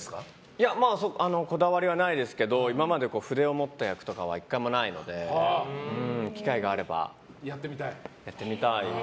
いや、こだわりはないですけど今まで筆を持った役とかは１回もないので機会があれば、やってみたい。